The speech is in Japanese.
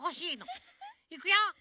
いくよ。